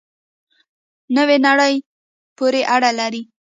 نوې نړۍ پورې اړه لري.